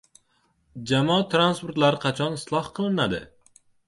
Jamoat transportlari qachon isloh qilinadi?